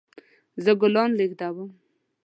زه ګلان لیږدوم